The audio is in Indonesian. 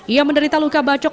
ia menderita luka bacok